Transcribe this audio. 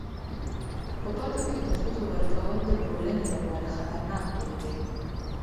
په بدو کي د ښځو ورکول د ټولني لپاره خطرناک دود دی.